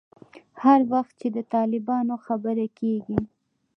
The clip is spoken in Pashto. هر وخت چې د طالبانو خبره کېږي.